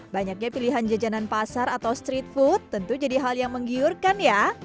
banyaknya pilihan jajanan pasar atau street food tentu jadi hal yang menggiurkan ya